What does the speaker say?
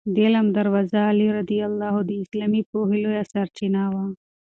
د علم دروازه علي رض د اسلامي پوهې لویه سرچینه وه.